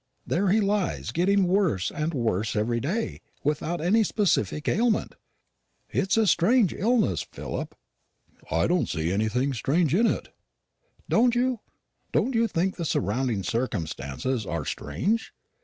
There he lies, getting worse and worse every day, without any specific ailment. It's a strange illness, Philip." "I don't see anything strange in it." "Don't you? Don't you think the surrounding circumstances are strange?